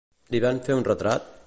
Li van fer un retrat?